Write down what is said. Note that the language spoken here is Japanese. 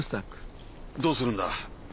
どうするんだ？